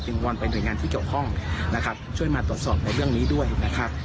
วอนไปหน่วยงานที่เกี่ยวข้องนะครับช่วยมาตรวจสอบในเรื่องนี้ด้วยนะครับ